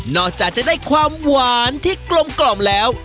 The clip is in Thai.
นอกจากจะได้ความหวานที่กลมกล่อมแล้ว